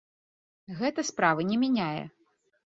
Гэта справы не мяняе.